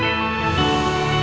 aku mau ke rumah